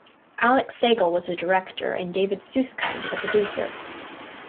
Alex Segal was the director and David Susskind the producer.